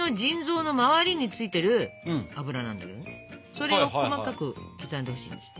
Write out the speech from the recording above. それを細かく刻んでほしいんですよ。